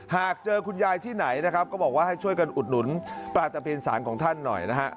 หากเจอคุณยายที่ไหนนะครับก็บอกว่าให้ช่วยกันอุดหนุนปลาตะเพียนสารของท่านหน่อยนะฮะ